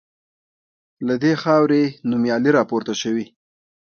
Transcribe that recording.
له دې خاوري نومیالي راپورته سوي